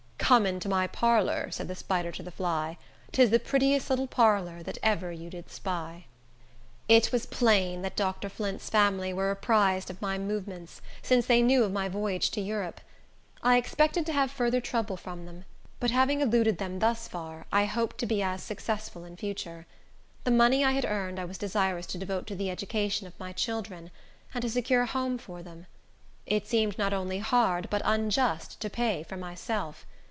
"Come up into my parlor," said the spider to the fly; "Tis the prettiest little parlor that ever you did spy." It was plain that Dr. Flint's family were apprised of my movements, since they knew of my voyage to Europe. I expected to have further trouble from them; but having eluded them thus far, I hoped to be as successful in future. The money I had earned, I was desirous to devote to the education of my children, and to secure a home for them. It seemed not only hard, but unjust, to pay for myself.